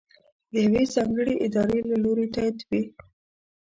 د یوې ځانګړې ادارې له لورې تائید وي.